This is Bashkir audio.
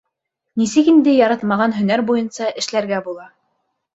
Нисек инде яратмаған һөнәр буйынса эшләргә була?